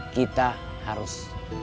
kita harus pensiun